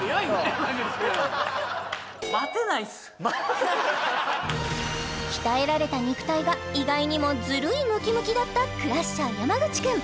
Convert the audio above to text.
山口くん鍛えられた肉体が意外にもだったクラッシャー山口くん